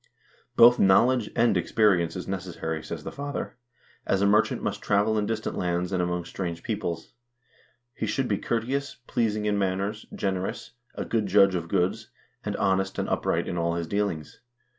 "Both knowledge and experience is necessary," says the father, " as a mer chant must travel in distant lands and among strange peoples. He should be courteous, pleasing in manners, generous, a good judge of goods, and honest and upright in all his dealings.